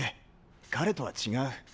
彼とは違う。